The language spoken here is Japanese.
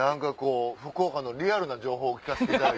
福岡のリアルな情報を聞かせていただいて。